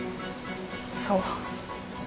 そう。